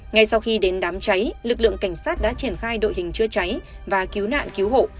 ngay sau khi đến đám cháy lực lượng cảnh sát đã triển khai đội hình chữa cháy và cứu nạn cứu hộ